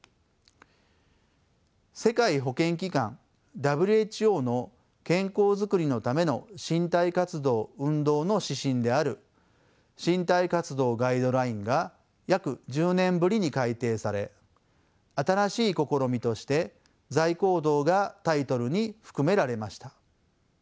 世界保健機関ＷＨＯの健康づくりのための身体活動運動の指針である「身体活動ガイドライン」が約１０年ぶりに改訂され新しい試みとして座位行動がタイトルに含められました。